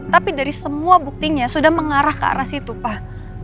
tapi dari semua buktinya sudah mengarah ke arah situ pak